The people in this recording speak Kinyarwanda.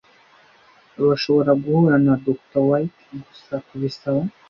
Urashobora guhura na Dr. White gusa kubisaba.